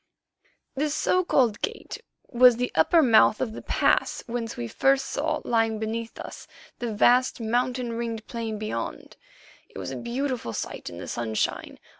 This so called gate was the upper mouth of the pass whence first we saw, lying beneath us, the vast, mountain ringed plain beyond. It was a beautiful sight in the sunshine.